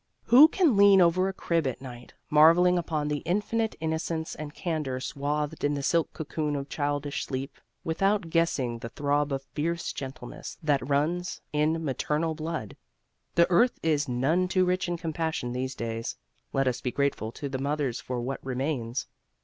Who can lean over a crib at night, marveling upon that infinite innocence and candor swathed in the silk cocoon of childish sleep, without guessing the throb of fierce gentleness that runs in maternal blood? The earth is none too rich in compassion these days: let us be grateful to the mothers for what remains.